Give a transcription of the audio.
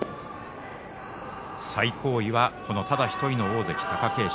最高位は、ただ１人の大関貴景勝。